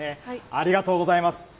ありがとうございます。